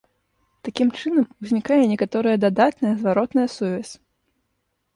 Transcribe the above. Такім чынам, узнікае некаторая дадатная зваротная сувязь.